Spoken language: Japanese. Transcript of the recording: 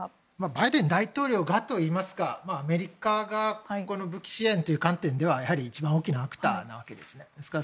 バイデン大統領がといいますかアメリカが武器支援という観点ではやはり一番大きなアクターなわけですね。